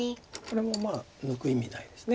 これも抜く意味ないです。